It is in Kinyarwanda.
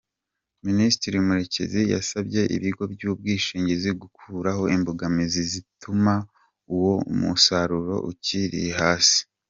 Minisitiri Murekezi yasabye ibigo by’ubwishngizi gukuraho imbogamizi zituma uwo musaruro ukiri hasi.